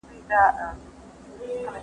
ويل پلاره پاچا لوڅ روان دئ گوره